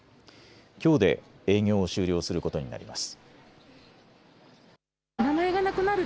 きょうで営業を終了することになります。